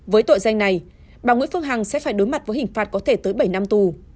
với tội danh này bà nguyễn phương hằng sẽ phải đối mặt với hình phạt có thể tới bảy năm tù